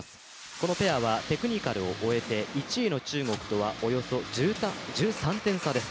このペアはテクニカルを終えて１位の中国とはおよそ１３点差です。